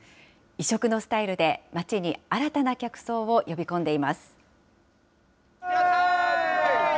異色のスタイルで、街に新たな客層を呼び込んでいます。